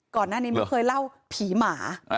ก่อนหน้านี้ไม่เคยเล่าผีหมา